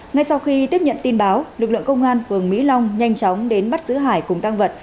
ngay sau khi tiếp nhận tin báo lực lượng công an phường mỹ long nhanh chóng đến bắt giữ hải cùng tăng vật